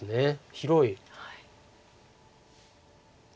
広い。